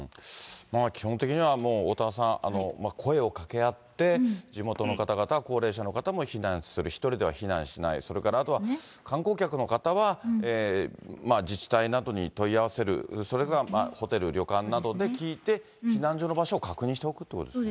基本的には、おおたわさん、声をかけ合って地元の方々、高齢者の方々も避難する、１人では避難しない、それからあとは観光客の方は自治体などに問い合わせる、それかホテル、旅館などで聞いて、避難所の場所を確認しておくということですね。